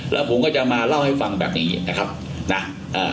แล้วผมก็จะมาเล่าให้ฟังแบบนี้นะครับนะเอ่อ